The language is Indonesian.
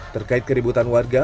terkait keributan warga